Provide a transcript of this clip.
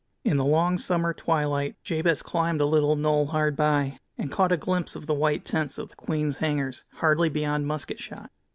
In the long summer twilight Jabez climbed a little knoll hard by, and caught a glimpse of the white tents of the Queen's Hangers, hardly beyond musket shot.